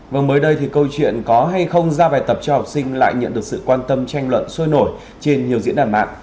vâng mới đây thì câu chuyện có hay không ra bài tập cho học sinh lại nhận được sự quan tâm tranh luận sôi nổi trên nhiều diễn đàn mạng